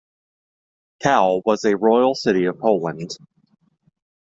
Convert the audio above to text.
Kowel was a royal city of Poland.